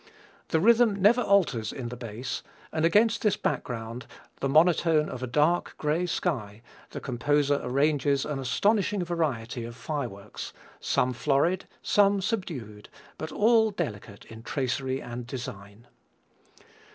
The rhythm never alters in the bass, and against this background, the monotone of a dark, gray sky, the composer arranges an astonishing variety of fireworks, some florid, some subdued, but all delicate in tracery and design.